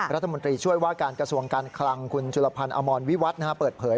รัฐมนตรีช่วยว่าการกระทรวงการคลังคุณจุลพันธ์อมรวิวัฒน์เปิดเผย